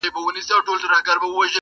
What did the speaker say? بس د رڼا په تمه ژوند کوي رڼا نه لري؛